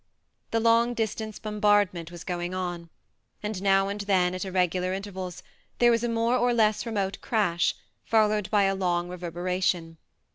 The long distance bombardment was going on, and now and then, at irregular intervals, there was a more or less remote crash, followed by a long reverberation.